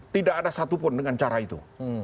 tidak ada satupun dengan cara itu